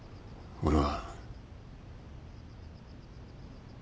俺は。